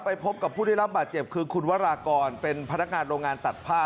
พบกับผู้ได้รับบาดเจ็บคือคุณวรากรเป็นพนักงานโรงงานตัดผ้า